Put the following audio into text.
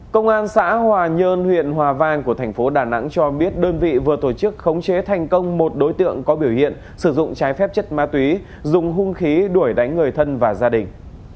công an xã hòa nhơn huyện hòa vang của thành phố đà nẵng cho biết đơn vị vừa tổ chức khống chế thành công một đối tượng có biểu hiện sử dụng trái phép chất ma túy dùng hung khí đuổi đánh người thân và gia đình